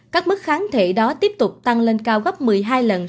các mức kháng thể đó tiếp tục tăng lên cao gấp một mươi hai lần sau một tháng tiêm nhắc